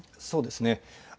そうですね。